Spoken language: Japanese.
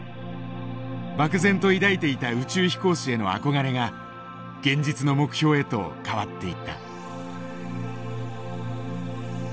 漠然と抱いていた宇宙飛行士への憧れが現実の目標へと変わっていった。